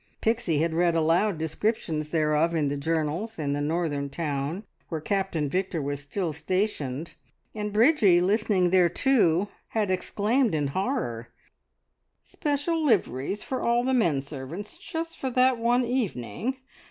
Pixie had read aloud descriptions thereof in the journals in the northern town where Captain Victor was still stationed, and Bridgie listening thereto had exclaimed in horror: "Special liveries for all the men servants just for that one evening!